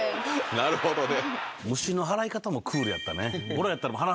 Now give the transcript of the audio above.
なるほどね。